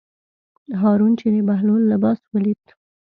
هارون چې د بهلول لباس ولید.